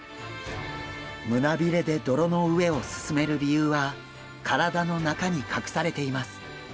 胸びれで泥の上を進める理由は体の中に隠されています。